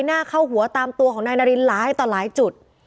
หน้าเข้าหัวตามตัวของนายนารินหลายต่อหลายจุด